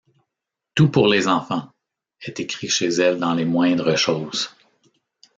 Tout pour les enfants! est écrit chez elle dans les moindres choses.